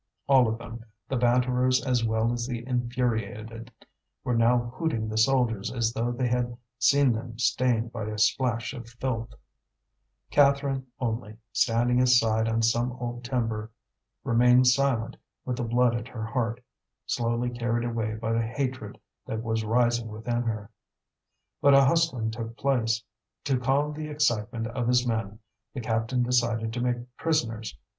All of them, the banterers as well as the infuriated, were now hooting the soldiers as though they had seen them stained by a splash of filth; Catherine only, standing aside on some old timber, remained silent with the blood at her heart, slowly carried away by the hatred that was rising within her. But a hustling took place. To calm the excitement of his men, the captain decided to make prisoners.